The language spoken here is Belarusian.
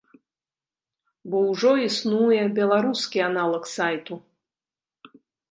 Бо ўжо існуе беларускі аналаг сайту.